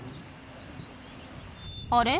あれ？